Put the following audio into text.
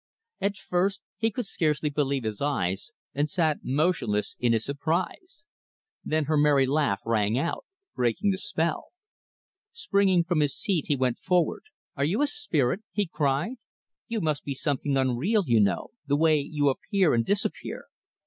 At first, he could scarce believe his eyes, and sat motionless in his surprise. Then her merry laugh rang out breaking the spell. Springing from his seat, he went forward. "Are you a spirit?" he cried. "You must be something unreal, you know the way you appear and disappear.